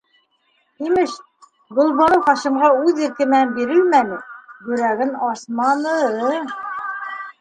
Имеш, Гөлбаныу Хашимға үҙ ирке менән бирелмәне, йөрәген асманы...